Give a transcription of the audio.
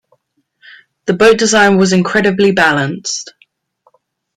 The boat design was incredibly balanced.